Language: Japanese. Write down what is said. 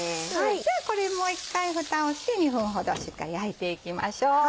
じゃあこれも一回ふたをして２分ほどしっかり焼いていきましょう。